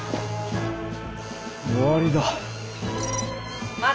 終わりだ。